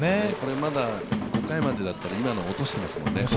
まだ５回までだったらフォーク、落としていますよね。